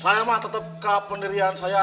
saya mah tetap kependirian saya